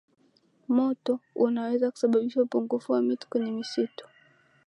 moto unaweza kusababisha upungufu wa miti kwenye misitu